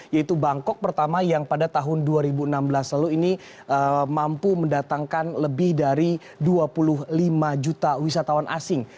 yaitu bangkok pertama yang pada tahun dua ribu enam belas lalu ini mampu mendatangkan lebih dari dua puluh lima juta wisatawan asing